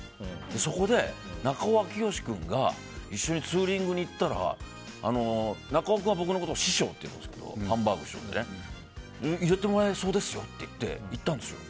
そこで、中尾明慶君が一緒にツーリングに行ったら中尾君は僕のことを師匠って呼ぶんですけど入れてもらえそうですよって言われて行ったんですよ。